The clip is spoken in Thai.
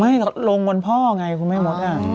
ไม่เขาลงบนพ่อไงคุณแม่มดอะ